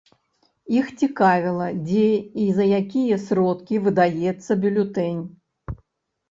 Іх цікавіла, дзе і за якія сродкі выдаецца бюлетэнь.